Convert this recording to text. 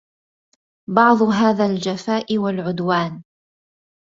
بعض هذا الجفاء والعدوان